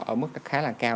ở mức khá là cao